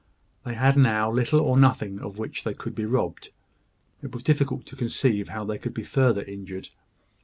They had now little or nothing of which they could be robbed. It was difficult to conceive how they could be further injured.